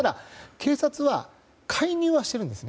警察は介入はしているんです。